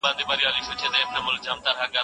د ژوند شرایط باید د ټولو لپاره برابر وي.